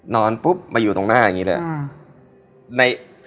นอนปุ๊บมาอยู่ตรงหน้าอย่างนี้เลย